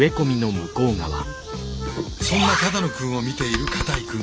そんな只野くんを見ている片居くん。